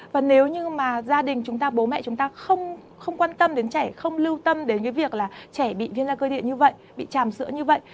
và nếu như mà gia đình chúng ta bố mẹ chúng ta không quan tâm đến trẻ không lưu tâm đến cái việc là trẻ bị viêm da cơ địa như vậy bị tràm sữa như vậy